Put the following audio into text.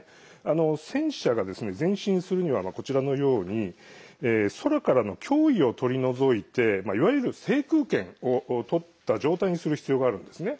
戦車が前進するにはこちらのように空からの脅威を取り除いていわゆる制空権をとった状態にする必要があるんですね。